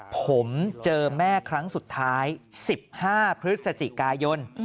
ผมเจอแม่ครั้งสุดท้าย๑๕พฤศจิกายน